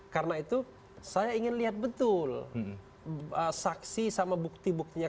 karena itu saya ingin lihat betul saksi sama bukti buktinya